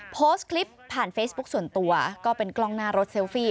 โพสต์คลิปผ่านเฟซบุ๊คส่วนตัวก็เป็นกล้องหน้ารถเซลฟี่